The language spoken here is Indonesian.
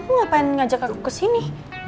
ini kamu ngapain ngajak aku kesini